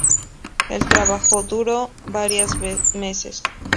El trabajo duró varios meses.